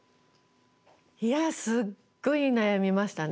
いやすっごい悩みましたね